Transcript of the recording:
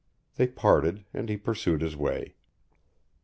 They parted and he pursued his way.